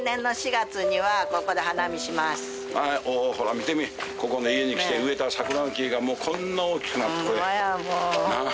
ほら見てみここの家に来て植えた桜の木がこんな大きくなって。